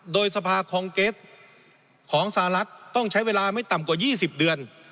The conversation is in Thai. โดยสภาคองเก็ตของสหรัฐต้องใช้เวลาไม่ต่ำกว่า๒๐เดือน